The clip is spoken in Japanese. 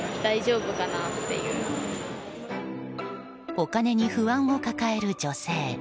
お金に不安を抱える女性。